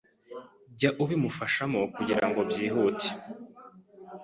jya ubimufashamo kugirango byihute